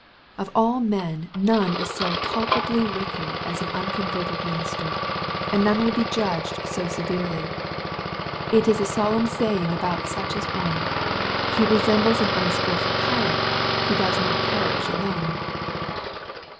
Of all men none is so culpably wicked as an unconverted minister, and none will be judged so severely. It is a solemn saying about such an one, ^' He resembles an unskilful pilot : he does not perish alone."